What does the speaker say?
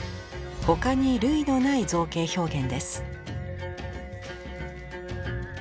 他に類のない造形表現です。